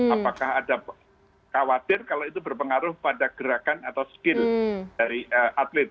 apakah ada khawatir kalau itu berpengaruh pada gerakan atau skill dari atlet